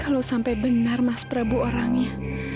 kalau sampai benar mas prabu orangnya